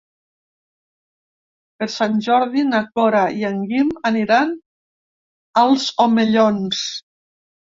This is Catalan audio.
Per Sant Jordi na Cora i en Guim aniran als Omellons.